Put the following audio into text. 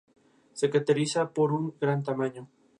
Sus últimas temporadas las jugó en el club Tristán Suárez.